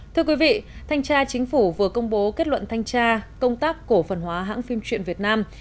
thưa quý vị thanh tra chính phủ vừa công bố kết luận thanh tra công tác cổ phần hóa hãng phim truyện việt nam